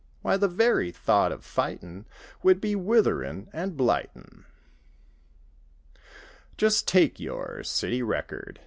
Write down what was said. Why, the very thought of fightin' Would be witherin' an blightin'. Just take your city record.